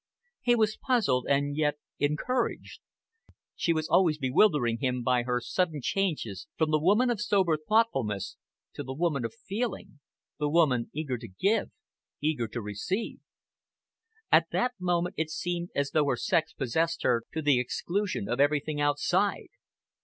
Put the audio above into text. He was puzzled and yet encouraged. She was always bewildering him by her sudden changes from the woman of sober thoughtfulness to the woman of feeling, the woman eager to give, eager to receive. At that moment it seemed as though her sex possessed her to the exclusion of everything outside.